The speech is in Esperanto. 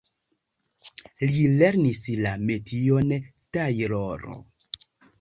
Li lernis la metion tajloro.